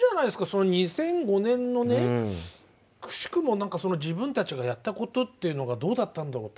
その２００５年のねくしくも何かその自分たちがやったことっていうのがどうだったんだろう？